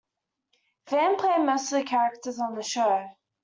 Van played most of the characters on the show.